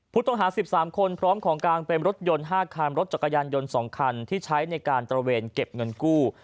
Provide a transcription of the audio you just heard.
ผู้ต้องหา๑๓คนพร้อมของกลางเป็นรถยนต์๕คันรถจักรยานยนต์๒คันที่ใช้ในการตระเวนเก็บเงินกู้